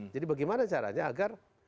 jadi bagaimana caranya agar